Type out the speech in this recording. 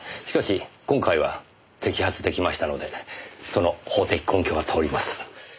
しかし今回は摘発出来ましたのでその法的根拠が通ります。